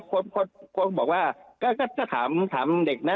คนบอกว่าก็ถ้าถามเด็กนะ